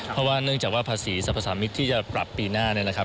เพราะว่าเนื่องจากว่าภาษีสรรพสามิตรที่จะปรับปีหน้าเนี่ยนะครับ